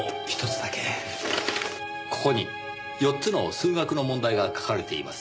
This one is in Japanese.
ここに４つの数学の問題が書かれています。